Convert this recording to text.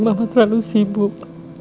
mama terlalu sibuk